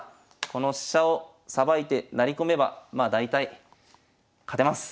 この飛車をさばいて成り込めばまあ大体勝てます。